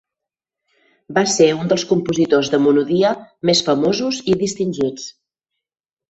Va ser un dels compositors de monodia més famosos i distingits.